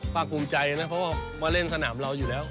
ภาคภูมิใจนะเพราะว่ามาเล่นสนามเราอยู่แล้ว